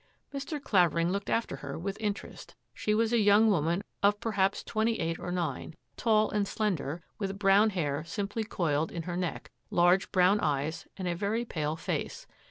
Mr. Clavering looked after her with interest. She was a young woman of perhaps twenty eight or nine, tall and slender, with brown hair simply coiled in her neck, large brown eyes, and a very pale face.